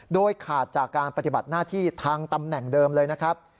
โดยขาดจากการปฏิบัติหน้าที่ทางตำแหน่งเดิมเลยนะครับ